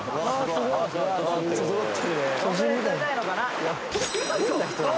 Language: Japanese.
すごい。